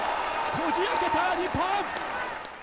こじあけた、日本！